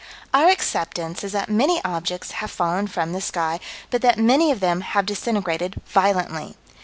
Our acceptance is that many objects have fallen from the sky, but that many of them have disintegrated violently.